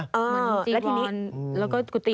เหมือนจีบวอนแล้วก็กุฏิ